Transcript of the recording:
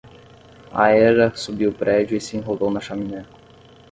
A hera subiu o prédio e se enrolou na chaminé.